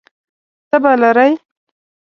تبه لرئ؟